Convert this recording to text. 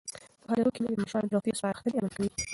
پوهه لرونکې میندې د ماشومانو د روغتیا سپارښتنې عملي کوي.